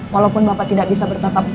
walaupun bapak tidak bisa bertatap